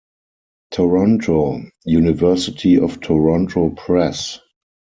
Toronto : University of Toronto Press.